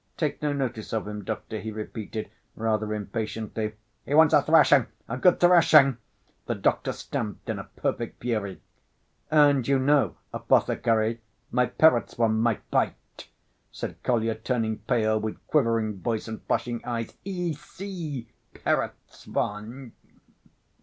"Take no notice of him, doctor," he repeated, rather impatiently. "He wants a thrashing, a good thrashing!" The doctor stamped in a perfect fury. "And you know, apothecary, my Perezvon might bite!" said Kolya, turning pale, with quivering voice and flashing eyes. "Ici, Perezvon!"